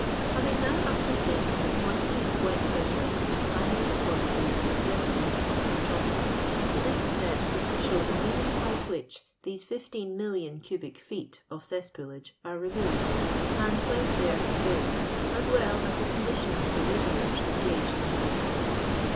Hayikq now ascertained the quantity of wet houHe refuse annually deposited in the cess pools of the metropolis, the next step is to show the means by which these 15,000,000 cubic feet of cesspoolage are removed, and wh^ce they are couTeyed, as well as the con dition of the labourers engaged in the business.